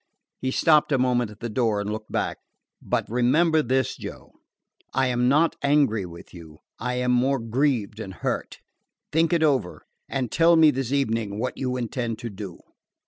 He stopped a moment at the door and looked back. "But remember this, Joe," he said. "I am not angry with you; I am more grieved and hurt. Think it over, and tell me this evening what you intend to do."